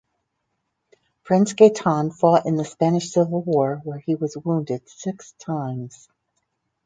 Prince Gaetan fought in the Spanish Civil War where he was wounded six times.